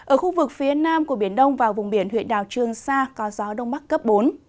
ở khu vực phía nam của biển đông và vùng biển huyện đảo trương sa có gió đông bắc cấp bốn